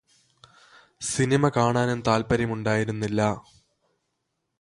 cinema കാണാനും താല്പര്യമുണ്ടായിരുന്നില്ല